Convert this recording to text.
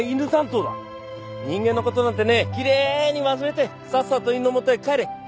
人間の事なんてねきれいに忘れてさっさと犬のもとへ帰れ！